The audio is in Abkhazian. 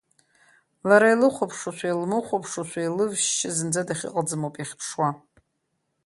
Лара илыхәаԥшуашәа, илыхәамԥшуашәа илывышьшьы зынӡа дахьыҟаӡам ауп иахьыԥшуа.